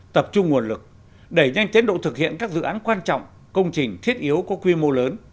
tập trung nguồn lực đẩy nhanh tiến độ thực hiện các dự án quan trọng công trình thiết yếu có quy mô lớn